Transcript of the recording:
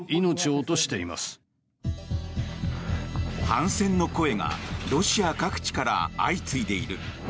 反戦の声がロシア各地から相次いでいる。